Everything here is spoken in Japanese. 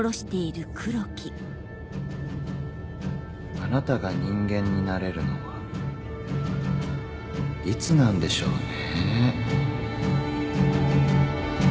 あなたが人間になれるのはいつなんでしょうね。